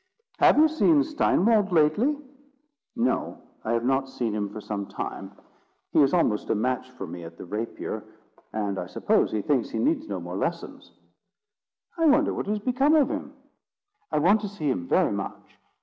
"Have you seen Steinwald lately?" "No, I have not seen him for some time. He is almost a match for me at the rapier, and I suppose he thinks he needs no more lessons." "I wonder what has become of him. I want to see him very much.